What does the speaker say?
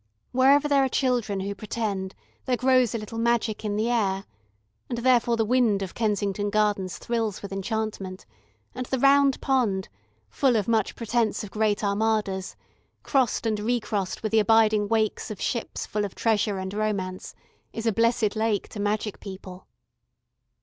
Wherever there are children who pretend, there grows a little magic in the air, and therefore the wind of Kensington Gardens thrills with enchantment, and the Round Pond, full of much pretence of great Armadas, crossed and re crossed with the abiding wakes of ships full of treasure and romance, is a blessed lake to magic people.